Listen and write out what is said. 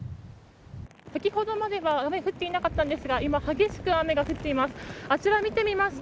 先ほどまでは雨が降っていなかったんですが今、激しく雨が降っています。